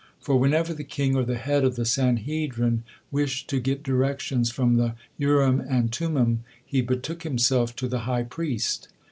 For whenever the king or the head of the Sanhedrin wished to get directions from the Urim and Tummim he betook himself to the high priest.